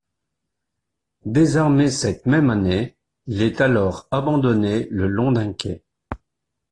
Désarmé cette même année, il est alors abandonné le long d'un quai.